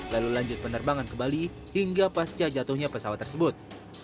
lalu lanjut penerbangan ke bali hingga pasca jatuhnya pesawat tersebut